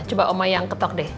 coba oma yang ketok deh